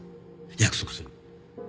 約束する。